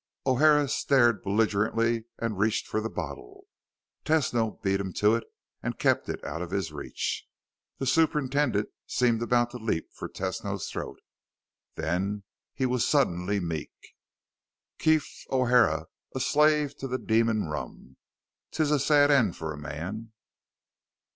O'Hara stared belligerently and reached for the bottle. Tesno beat him to it and kept it out of his reach. The superintendant seemed about to leap for Tesno's throat, then he was suddenly meek. "Keef O'Hara a slave to the demon rum! 'Tis a sad end for a man."